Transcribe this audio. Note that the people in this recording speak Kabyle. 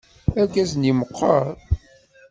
Argaz-nni meqqeṛ.